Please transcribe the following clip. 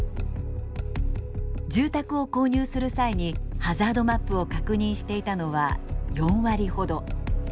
住宅を購入する際にハザードマップを確認していたのは４割ほど。